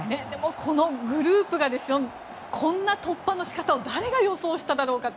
このグループがこんな突破の仕方を誰が予想しただろうかって。